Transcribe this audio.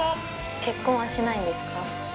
結婚はしないんですか。